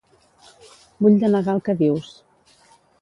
Vull denegar el que dius.